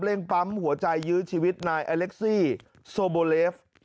ปั๊มหัวใจยื้อชีวิตนายอเล็กซี่โซโบเลฟ